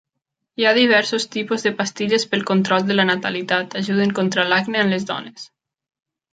Hi ha diversos tipus de pastilles pel control de la natalitat ajuden contra l'acne en les dones.